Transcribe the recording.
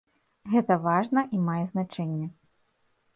Гэта важна і мае значэнне.